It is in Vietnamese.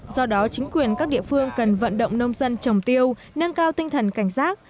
do đó chính quyền các địa phương cần vận động nông dân trồng tiêu nâng cao tinh thần cảnh giác